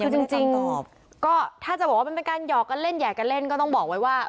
คือจริงก็ถ้าจะบอกว่ามันเป็นการหยอกกันเล่นหยอกกันเล่นก็ต้องบอกไว้ว่า